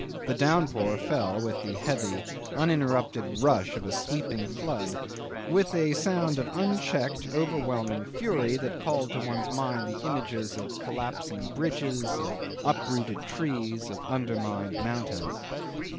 The downpour fell with the heavy uninterrupted rush of a sweeping flood, with a sound of unchecked overwhelming fury that called to one's mind the images of collapsing bridges, of uprooted trees, of undermined mountains.